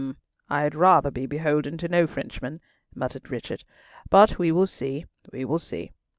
"Hm! I had rather be beholden to no Frenchman," muttered Richard, "but we will see, we will see.